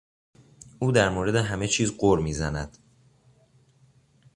او در مورد همه چیز غر میزند.